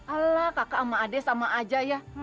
alah kakak sama adek sama aja ya